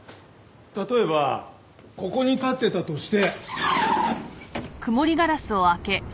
例えばここに立ってたとして。